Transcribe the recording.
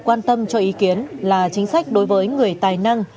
quan tâm cho ý kiến là chính sách đối với người tài năng